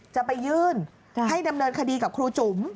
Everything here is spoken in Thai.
จะไปยื่นให้ดำเนินคดีกับครูจุ๋ม